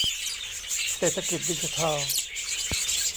เศรษฐกิจดิจิทัล